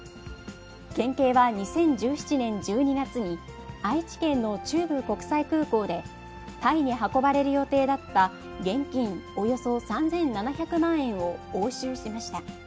県警は２０１７年１２月に、愛知県の中部国際空港で、タイに運ばれる予定だった現金およそ３７００万円を押収しました。